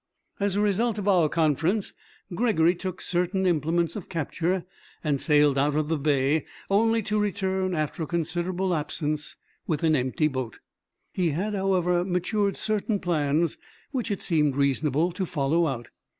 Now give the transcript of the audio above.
As a result of our conference, Gregory took certain implements of capture and sailed out of the bay; only to return, after a considerable absence, with an empty boat. He had, however, matured certain plans which it seemed reasonable to follow out.